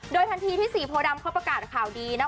โดยทันทีที่สี่โพดำเขาประกาศข่าวดีนะ